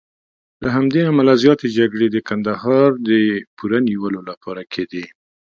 له همدې امله زیاتې جګړې د کندهار د پوره نیولو لپاره کېدې.